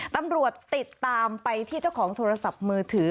ติดตามไปที่เจ้าของโทรศัพท์มือถือ